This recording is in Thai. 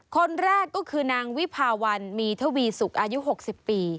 คนแรกก็คือนางวิภาวันมีทวีสุกอายุ๖๐ปี